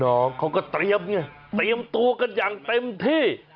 น้องเขาก็เตรียมเนี่ยเตรียมตัวกันอย่างเต็มที่